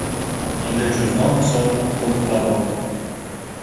Endi, juzdon misol qo‘ltiqlab oldi.